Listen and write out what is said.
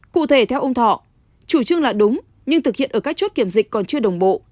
cụ thể theo ông thọ chủ trương là đúng nhưng thực hiện ở các chốt kiểm dịch còn chưa đồng bộ